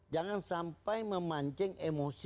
jangan sampai memancing emosi